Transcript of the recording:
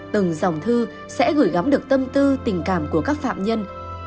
từng dòng thư sẽ gửi gắm được tâm tư tình cảm của các phạm nhân